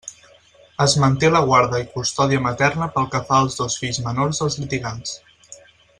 Es manté la guarda i custòdia materna pel que fa als dos fills menors dels litigants.